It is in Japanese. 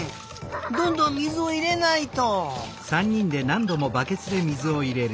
どんどん水をいれないと！